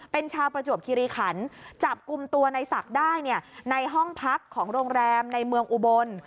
เป็นชาวประจวบคิริขันจับกลุ่มตัวในศักดิ์ได้เนี่ยในห้องพักของโรงแรมในเมืองอุบล